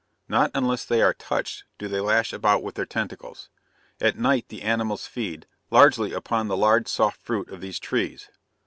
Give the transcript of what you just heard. Not unless they are touched do they lash about with their tentacles. At night the animals feed, largely upon the large, soft fruit of these trees.